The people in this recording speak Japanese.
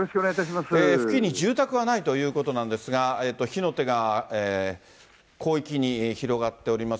付近に住宅はないということなんですが、火の手が広域に広がっております。